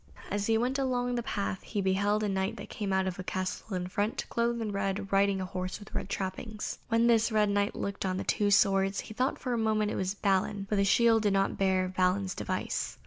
As he went along the path he beheld a Knight come out of a castle in front, clothed in red, riding a horse with red trappings. When this red Knight looked on the two swords, he thought for a moment it was Balin, but the shield did not bear Balin's device.